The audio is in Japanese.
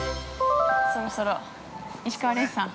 そろそろ、石川恋さん